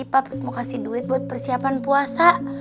terus nanti paps mau kasih duit buat persiapan puasa